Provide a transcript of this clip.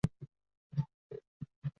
出任江苏南汇县知县。